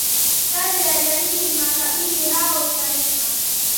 kati ya jamii makabila au mataifa